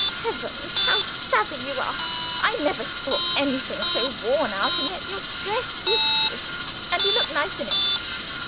Heavens! how shabby you are! I never saw anything so worn out and yet your dress suits you, and you look nice in it."